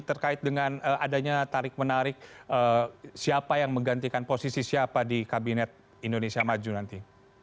terkait dengan adanya tarik menarik siapa yang menggantikan posisi siapa di kabinet indonesia maju nanti